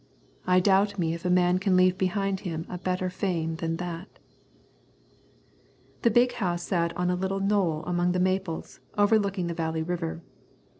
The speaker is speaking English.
I doubt me if a man can leave behind him a better fame than that. The big house sat on a little knoll among the maples, overlooking the Valley River.